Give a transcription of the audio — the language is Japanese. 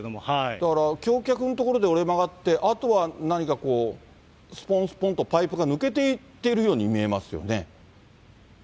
だから橋脚の所で折れ曲がって、あとは何かこう、すぽんすぽんとパイプが抜けていっているように見えますよね。